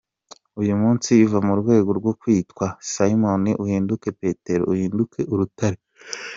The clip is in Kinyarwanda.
Uyu munsi va mu rwego rwo kwitwa Simoni uhinduke Petero, uhinduke urutare.